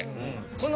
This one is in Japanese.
この。